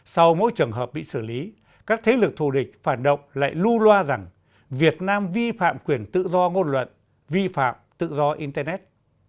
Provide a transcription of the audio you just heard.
sau mỗi trường hợp bị xử lý các thế lực thù địch phản động lại lu loa rằng việt nam vi phạm quyền tự do ngôn luận vi phạm tự do internet